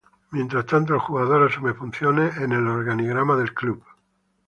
Mientras tanto, el jugador asume funciones en el organigrama del club.